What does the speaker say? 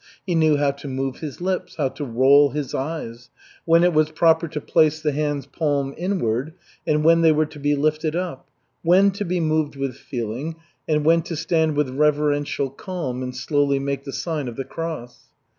He knew how to move his lips, how to roll his eyes, when it was proper to place the hands palm inward, and when they were to be lifted up, when to be moved with feeling, and when to stand with reverential calm and slowly make the sign of the cross.